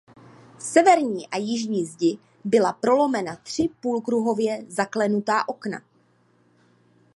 V severní a jižní zdi byla prolomena tři půlkruhově zaklenutá okna.